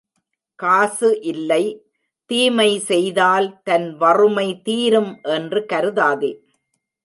காசு இல்லை தீமை செய்தால் தன் வறுமை தீரும் என்று கருதாதே.